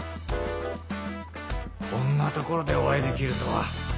こんな所でお会いできるとは。